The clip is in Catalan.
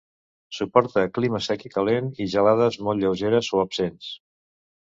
Suporta clima sec i calent, i gelades molt lleugeres o absents.